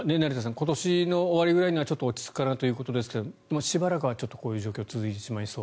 今年の終わりぐらいにはちょっと落ち着くかなというところですがしばらくはこういう状況が続いてしまいそう。